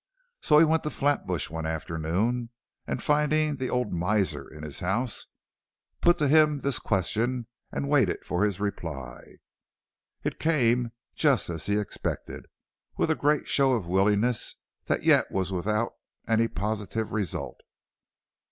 So he went to Flatbush one afternoon, and finding the old miser in his house, put to him this question and waited for his reply. It came just as he expected, with a great show of willingness that yet was without any positive result.